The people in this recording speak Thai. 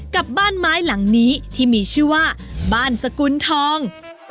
กับบ้านไม้หลังนี้ที่มีชื่อว่าบ้านสกุลทอง